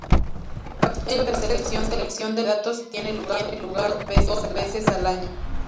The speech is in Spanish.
El proceso de selección de los candidatos tiene lugar dos veces al año.